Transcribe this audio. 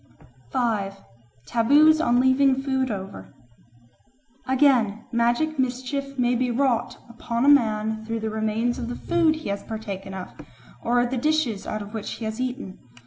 5. Taboos on Leaving Food over AGAIN, magic mischief may be wrought upon a man through the remains of the food he has partaken of, or the dishes out of which he has eaten.